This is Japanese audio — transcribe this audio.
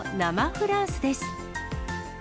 フランスです。